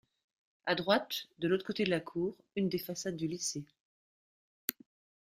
A droite, de l’autre côté de la cour, une des façades du lycée.